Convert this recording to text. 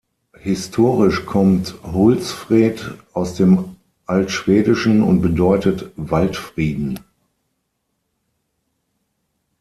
Historisch kommt „Hultsfred“ aus dem Altschwedischen und bedeutet „Waldfrieden“.